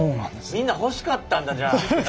みんな欲しかったんだじゃあ。